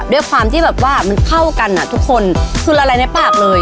ด้วยความที่แบบว่ามันเข้ากันอ่ะทุกคนคือละลายในปากเลย